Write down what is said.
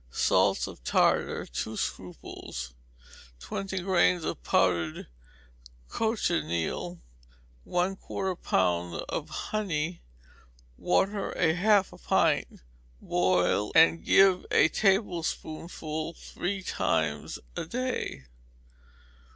Salts of tartar, two scruples, twenty grains of powdered cochineal; 1/4 lb. of honey; water, half a pint; boil, and give a tablespoonful three times a day.